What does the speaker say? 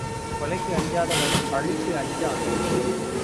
கொலைக்கு அஞ்சாதவன் பழிக்கு அஞ்சான்.